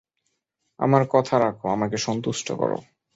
আমার কথা রাখ, আমাকে সন্তুষ্ট কর!